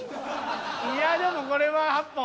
いやでもこれは８本。